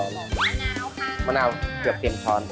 มะนาวค่ะมะนาวเกือบเต็มช้อน